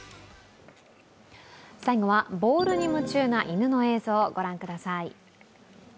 最後はボールに夢中な犬の映像ご覧ください。